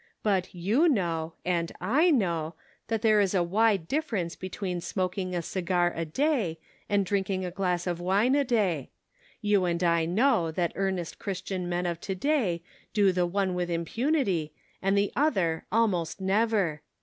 But you know, and I know, that there is a wide difference between smok ing a cigar a day, and drinking a glass of wine a day. You and I know that earnest Christian men of to day do the one with impunity, and the other almost never.